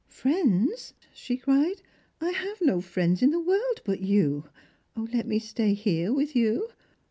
" Friends! " she cried. " I have no friends in the world but you. Let me stay here— with you.